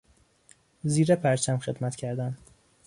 زیر پرچم خدمت کردن